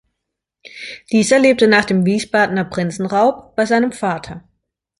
Dieser lebte nach dem Wiesbadener Prinzenraub bei seinem Vater.